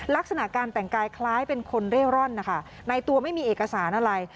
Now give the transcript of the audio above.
ลักษณะการแต่งกายคล้ายเป็นคนเร่ร่อนนะคะในตัวไม่มีเอกสารอะไร